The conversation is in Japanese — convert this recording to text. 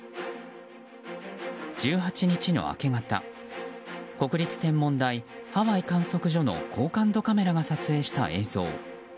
１８日の明け方国立天文台ハワイ観測所の高感度カメラが撮影した映像。